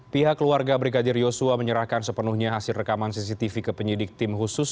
pihak keluarga brigadir yosua menyerahkan sepenuhnya hasil rekaman cctv ke penyidik tim khusus